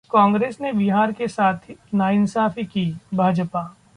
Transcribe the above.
कांग्रेस ने बिहार के साथ नाइंसाफी की: भाजपा